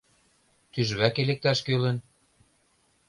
Тӱжваке лекташ кӱлын.